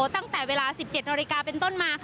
ตั้งแต่เวลา๑๗นาฬิกาเป็นต้นมา